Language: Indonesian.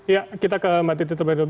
ya kita ke mbak titi terlebih dahulu